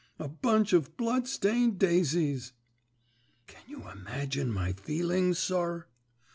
A Bunch of Blood stained Daisies!' "Can you imagine my feelings, sir?